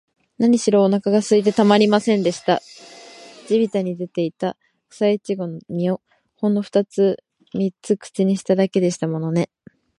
なにしろ、おなかがすいてたまりませんでした。地びたに出ていた、くさいちごの実を、ほんのふたつ三つ口にしただけでしたものね。